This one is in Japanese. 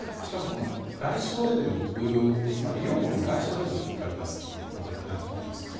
しかも外相レベルつまり両国の外相レベルを引っ張り出すということになっています。